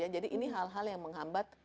jadi ini hal hal yang menghambat